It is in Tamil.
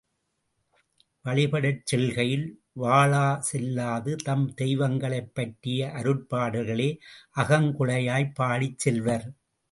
வழிபடச் செல்கையில் வாளாசெல்லாது தம் தெய்வங்களைப் பற்றிய அருட்பாடல்களே அகங் குழைய்ப் பாடிச் செல்வர்.